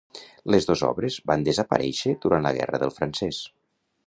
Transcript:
Les dos obres van desaparéixer durant la Guerra del Francés.